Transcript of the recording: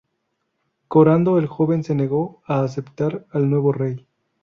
Conrado el Joven se negó a aceptar al nuevo rey.